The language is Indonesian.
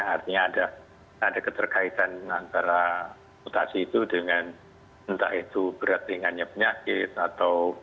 artinya ada keterkaitan antara mutasi itu dengan entah itu berat ringannya penyakit atau